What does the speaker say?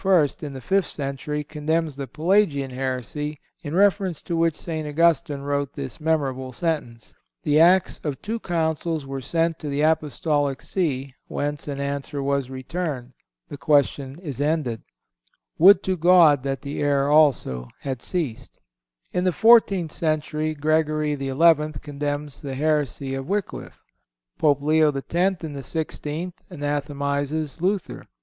in the fifth century, condemns the Pelagian heresy, in reference to which St. Augustine wrote this memorable sentence: "The acts of two councils were sent to the Apostolic See, whence an answer was returned. The question is ended. Would to God that the error also had ceased." In the fourteenth century Gregory XI. condemns the heresy of Wycliffe. Pope Leo X., in the sixteenth, anathematizes Luther.